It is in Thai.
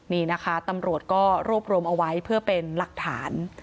นี่นะคะตำรวจก็รวบรวมเอาไว้เพื่อเป็นหลักฐาน